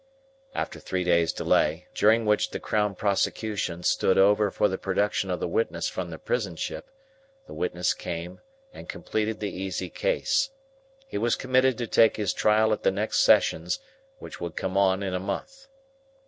After three days' delay, during which the crown prosecution stood over for the production of the witness from the prison ship, the witness came, and completed the easy case. He was committed to take his trial at the next Sessions, which would come on in a month.